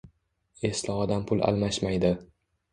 Esli odam pul almashmaydi.